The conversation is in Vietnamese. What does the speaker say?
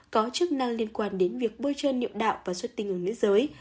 có chức năng liên quan đến việc bôi trơn niệu đạo và xuất tinh ở nước giới